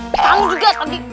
kamu juga tadi